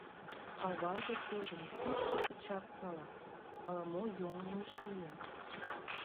Аваже тудым тӱсшӧ гычак пала: ала-мо йоҥылыш лийын.